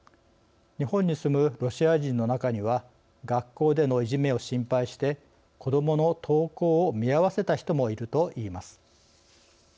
日本に住むロシア人の中には学校でのいじめを心配して子どもの登校を見合わせた人もいるといいます。